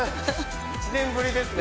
１年ぶりですね。